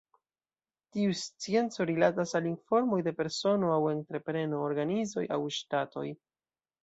Tiu scienco rilatas al informoj de persono aŭ entrepreno, organizoj aŭ ŝtatoj.